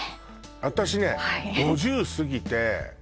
私ね５０すぎて